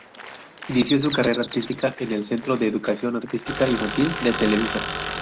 Inició su carrera artística en el Centro de Educación Artística Infantil de Televisa.